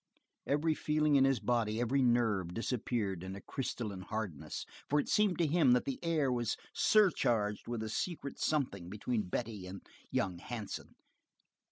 Every feeling in his body, every nerve, disappeared in a crystalline hardness, for it seemed to him that the air was surcharged by a secret something between Betty and young Hansen.